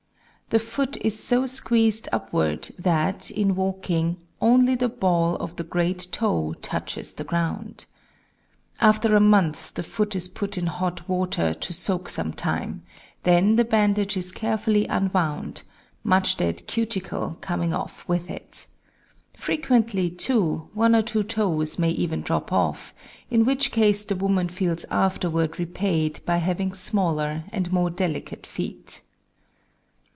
The foot is so squeezed upward that, in walking, only the ball of the great toe touches the ground. After a month the foot is put in hot water to soak some time; then the bandage is carefully unwound, much dead cuticle coming off with it. Frequently, too, one or two toes may even drop off, in which case the woman feels afterward repaid by having smaller and more delicate feet.